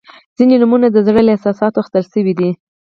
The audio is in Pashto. • ځینې نومونه د زړه له احساساتو اخیستل شوي دي.